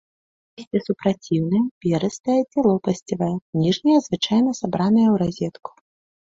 Лісце супраціўнае, перыстае ці лопасцевае, ніжняе звычайна сабранае ў разетку.